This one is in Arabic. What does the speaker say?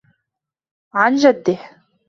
عَنْ جَدِّهِ